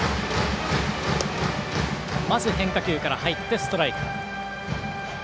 まず変化球から入ってストライク。